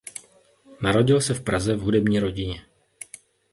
Narodil se v Praze v hudební rodině.